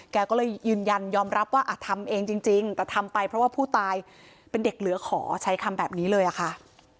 แกก็เลยยืนยันยอมรับว่าทำเองจริงแต่ทำไปเพราะว่าผู้ตายเป็นเด็กเหลือขอใช้คำแบบนี้เลยอะค่ะ